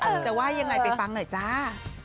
มันจะว่ายังไงไปฟังหน่อยจ้า